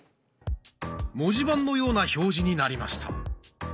文字盤のような表示になりました。